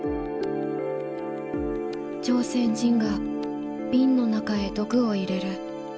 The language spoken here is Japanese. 「朝鮮人がビンの中へ毒を入れる。